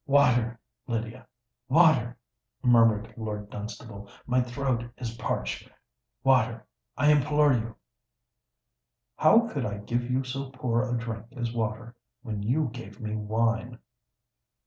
"Water, Lydia—water!" murmured Lord Dunstable: "my throat is parched. Water—I implore you!" "How could I give you so poor a drink as water, when you gave me wine?"